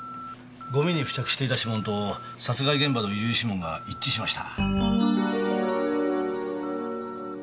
ゴミに付着していた指紋と殺害現場の遺留指紋が一致しました。